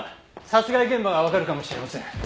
殺害現場がわかるかもしれません。